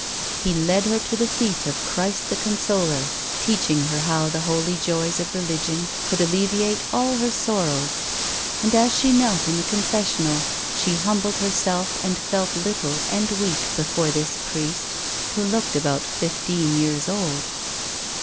He led her to the feet of Christ the Consoler, teaching her how the holy joys of religion could alleviate all her sorrows, and, as she knelt in the confessional, she 174 A WOMAN'S LIFE. humbled herself and felt little and weak before this priest who looked about fifteen years old.